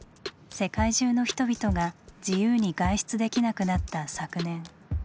世界中の人々が自由に外出できなくなった昨年。